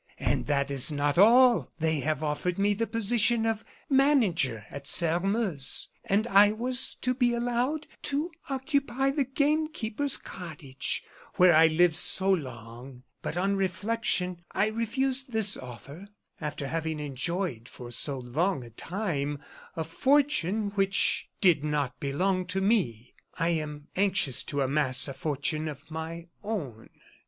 And that is not all; they have offered me the position of manager at Sairmeuse; and I was to be allowed to occupy the gamekeeper's cottage, where I lived so long. But on reflection I refused this offer. After having enjoyed for so long a time a fortune which did not belong to me, I am anxious to amass a fortune of my own."